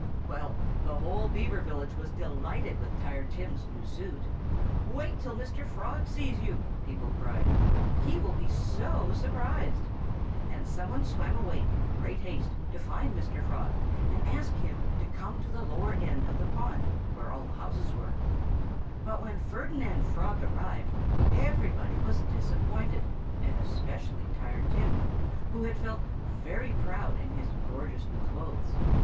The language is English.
Well, the whole Beaver village was delighted with Tired Tim's new suit. "Wait till Mr. Frog sees you!" people cried. "He'll be so surprised!" [Illustration: Mr. Frog Liked to Hear Himself Sing] And somebody swam away in great haste to find Mr. Frog and ask him to come to the lower end of the pond, where all the houses were. But when Ferdinand Frog arrived, everybody was disappointed, and especially Tired Tim, who had felt very proud in his gorgeous new clothes.